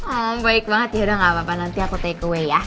awww baik banget yaudah gapapa nanti aku take away ya